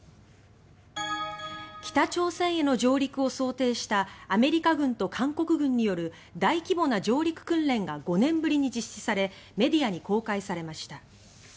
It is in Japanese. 北朝鮮への上陸を想定したアメリカ軍と韓国軍による大規模な上陸訓練が５年ぶりに実施されメディアに公開されました。